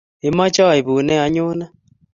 Imoche aipun ne anyone?